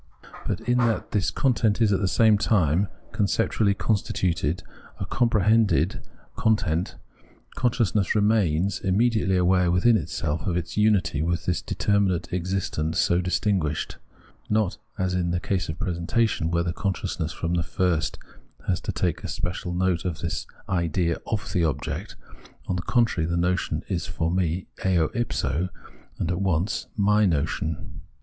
But in that this content is, at the same time, a conceptually constituted, a compre hended {hegriffener) content, consciousness remains immediately aware within itself of its unity with this determinate existent so distinguished ; not as in the case of a presentation, where consciousness from the first has to take special note that this is the idea of the object ; on the contrary, the notion is for me eo ipso and at once my notion.